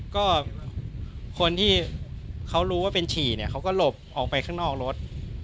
ก็คนที่เขารู้ว่าเป็นฉี่เนี่ยเขาก็หลบออกไปข้างนอกรถ